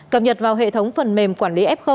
cập nhật vào hệ thống phần mềm quản lý f